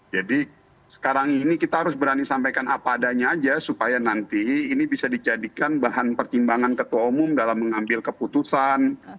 jadi sekarang ini kita harus berani sampaikan apa adanya aja supaya nanti ini bisa dijadikan bahan pertimbangan ketua umum dalam mengambil keputusan